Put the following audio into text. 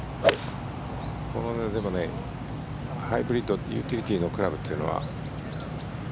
でもね、ハイブリッドユーティリティーのグラブっていうのは。